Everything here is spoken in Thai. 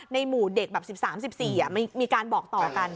หมู่เด็กแบบ๑๓๑๔มันมีการบอกต่อกัน